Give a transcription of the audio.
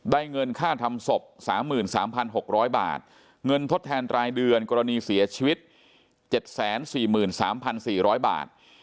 เงินค่าทำศพ๓๓๖๐๐บาทเงินทดแทนรายเดือนกรณีเสียชีวิต๗๔๓๔๐๐บาท